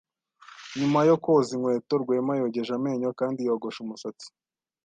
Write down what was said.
Nyuma yo koza inkweto, Rwema yogeje amenyo kandi yogosha umusatsi.